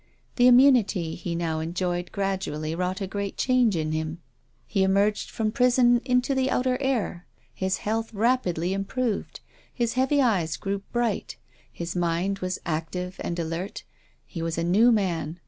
The immunity he now en joyed gradually wrought a great change in him. 252 TONGUES OF CONSCIENCE. He emerged from prison into the outer air. His health rapidly improved. His heavy eyes grew bright. His mind was active and alert. He was a new man.